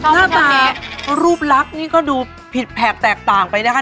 หน้าตารูปลักษณ์นี่ก็ดูผิดแผกแตกต่างไปนะคะ